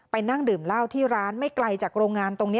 นั่งดื่มเหล้าที่ร้านไม่ไกลจากโรงงานตรงนี้